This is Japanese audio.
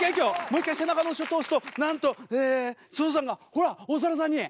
もう一回背中の後ろ通すとなんと象さんがほらお猿さんに。